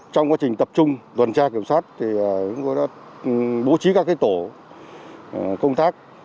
trong quá trình tập trung tuần tra kiểm soát thì chúng tôi đã bố trí các tổ công tác